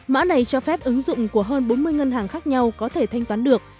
mã này cho phép ứng dụng của hơn bốn mươi ngân hàng khác nhau có thể thanh toán được